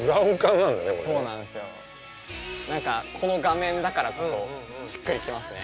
何かこの画面だからこそしっくり来ますね。